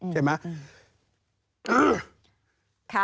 ใช่มะ